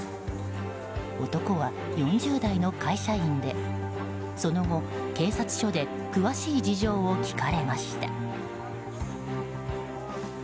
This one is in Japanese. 男は４０代の会社員でその後、警察署で詳しい事情を聴かれました。